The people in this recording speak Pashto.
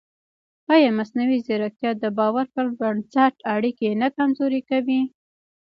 ایا مصنوعي ځیرکتیا د باور پر بنسټ اړیکې نه کمزورې کوي؟